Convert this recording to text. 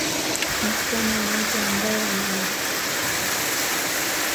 msichana yeyote ambaye anamuhitaji kwa ajili